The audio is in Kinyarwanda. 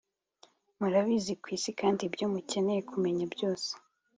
murabizi kwisi, kandi ibyo mukeneye kumenya byose.